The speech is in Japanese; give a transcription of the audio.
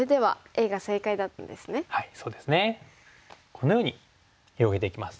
このように広げていきます。